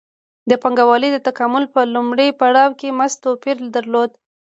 د پانګوالۍ د تکامل په لومړي پړاو کې مزد توپیر درلود